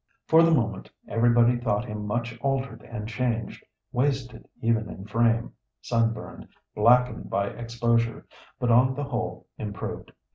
For the moment, everybody thought him much altered and changed, wasted even in frame, sunburned, blackened by exposure, but, on the whole, improved.